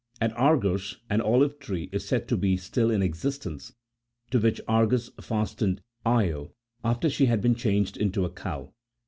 At Argos64 an olive tree is said to be still in existence, to which Argus fastened Io, after she had been changed into a cow.